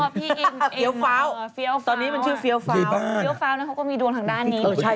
ฟีเอลฟ้าวตอนนี้มันชื่อฟีเอลฟ้าวฟีเอลฟ้าวนั้นเขาก็มีดวงทางด้านนี้อีกแล้วนะครับ